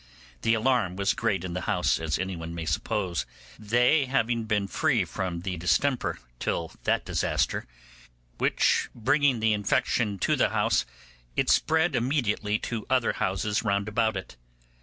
The alarm was great in the house, as anyone may suppose, they having been free from the distemper till that disaster, which, bringing the infection to the house, spread it immediately to other houses round about it.